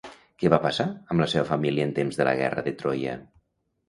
Què va passar amb la seva família en temps de la guerra de Troia?